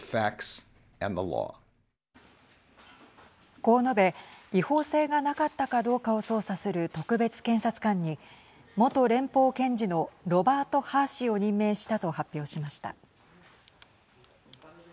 こう述べ違法性がなかったかどうかを捜査する特別検察官に元連邦検事のロバート・ハー氏を任命したと発表しました。